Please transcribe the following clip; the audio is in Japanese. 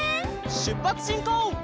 しゅっぱつしんこう！